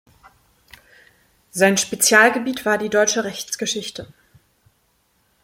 Sein Spezialgebiet war die deutsche Rechtsgeschichte.